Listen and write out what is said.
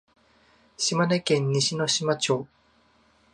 島根県西ノ島町